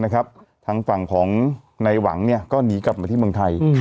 ทางฝั่งของในหวังก็หนีกลับมาที่เมืองไทย